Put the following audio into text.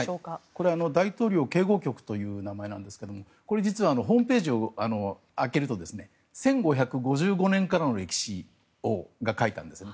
これは大統領警護局という名前なんですがこれ、実はホームページを開けると１５５５年からの歴史が書いてあるんですね。